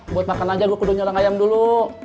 buat makan aja gue kudu nyolong ayam dulu